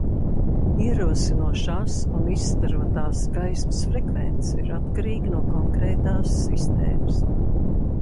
Ierosinošās un izstarotās gaismas frekvence ir atkarīga no konkrētās sistēmas.